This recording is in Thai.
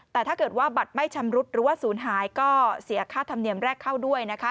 แต่ถ้าเกิดว่าบัตรไม่ชำรุดหรือว่าศูนย์หายก็เสียค่าธรรมเนียมแรกเข้าด้วยนะคะ